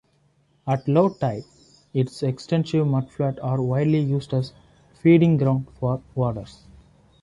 At low tide, its extensive mudflats are widely used as feeding grounds for waders.